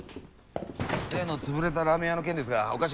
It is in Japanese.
例の潰れたラーメン屋の件ですがおかしな点が。